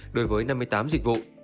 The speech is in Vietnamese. đối với năm mươi tám dịch vụ